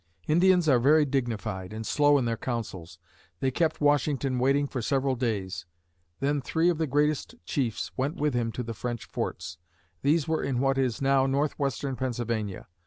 Indians are very dignified and slow in their councils. They kept Washington waiting for several days. Then three of the greatest chiefs went with him to the French forts. These were in what is now northwestern Pennsylvania.